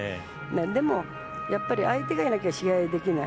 でも、やっぱり相手がいないと試合はできない。